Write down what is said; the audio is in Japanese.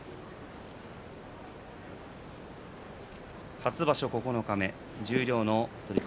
初場所九日目十両の取組